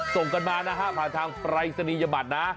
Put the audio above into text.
ส่งกันมานะฮะผ่านทางปรายศนียบัตรนะ